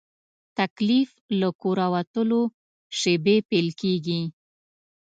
تکلیف له کوره وتلو شېبې پیل کېږي.